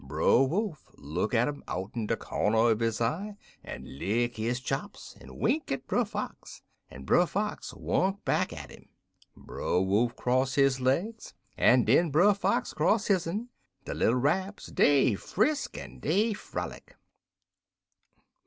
Brer Wolf look at um out'n de cornder uv his eyes, en lick his chops en wink at Brer Fox, en Brer Fox wunk back at 'im. Brer Wolf cross his legs, en den Brer Fox cross his'n. De little Rabs, dey frisk en dey frolic.